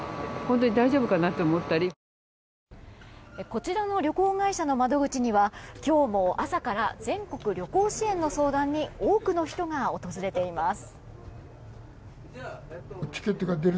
こちらの旅行会社の窓口には今日も朝から全国旅行支援の相談に多くの人が訪れています。